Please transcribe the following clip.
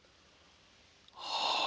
はあ。